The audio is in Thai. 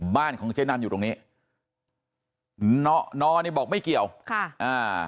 บ้านของเจ๊นันอยู่ตรงนี้นอนอนี่บอกไม่เกี่ยวค่ะอ่า